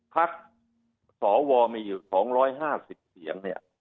พักสวมีอยู่๒๕๐เสียงเนี่ย